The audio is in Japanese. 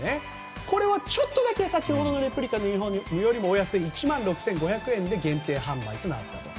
これはちょっとだけ、先ほどのレプリカユニホームより安い１万６５００円で限定販売となったと。